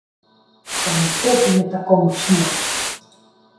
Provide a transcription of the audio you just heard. Pa ne tepi me tako močno!